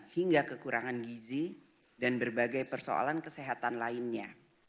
hingga kekurangan gizi dan berbagai persoalan kesehatan lainnya